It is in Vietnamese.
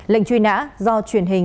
lệnh truy nã do truyền hình